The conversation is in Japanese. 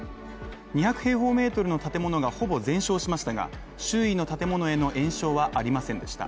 ２００平方メートルの建物がほぼ全焼しましたが、周囲の建物への延焼はありませんでした。